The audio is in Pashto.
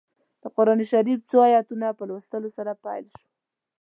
د قران شریف څو ایتونو په لوستلو سره پیل شوه.